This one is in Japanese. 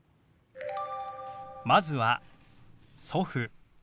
まずは「祖父」。